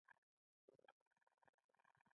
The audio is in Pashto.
احمد؛ علي ته غورې وکړې.